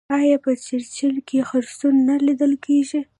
آیا په چرچیل کې خرسونه نه لیدل کیږي؟